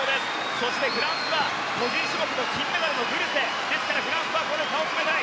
そしてフランスは個人種目の金メダルのグルセフランスは差を詰めたい。